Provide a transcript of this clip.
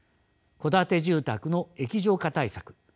戸建て住宅の液状化対策